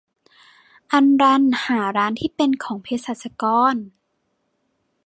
อัลลันหาร้านที่เป็นของเภสัชกร